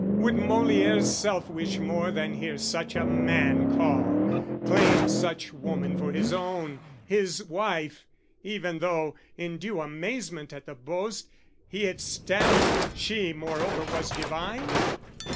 Would Moličre's self wish more than hear such man Call, claim such woman for his own, his wife, Even though, in due amazement at the boast, He had stammered, she moreover was divine?